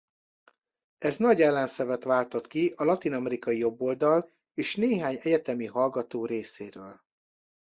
Ez nagy ellenszenvet váltott ki a latin-amerikai jobboldal és néhány egyetemi hallgató részéről.